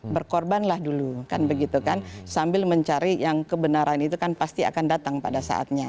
berkorban lah dulu kan begitu kan sambil mencari yang kebenaran itu kan pasti akan datang pada saatnya